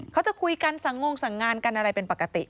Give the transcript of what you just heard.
เขาจะคุยกันสั่งงงสั่งงานกันอะไรเป็นปกติ